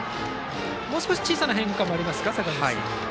もう少し小さな変化もありますか。